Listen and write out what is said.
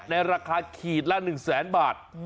ในราคาขีดละหนึ่งแสนบาท